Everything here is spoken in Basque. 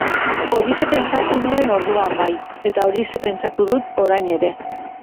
Horixe pentsatu nuen orduan bai, eta horixe pentsatzen dut orain ere.